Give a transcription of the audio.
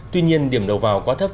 tuy nhiên điểm đầu vào quá thấp